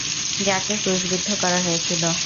যাকে ক্রুশবিদ্ধ করা হয়েছিল!